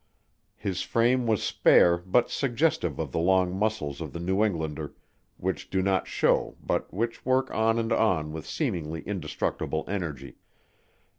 His frame was spare but suggestive of the long muscles of the New Englander which do not show but which work on and on with seemingly indestructible energy.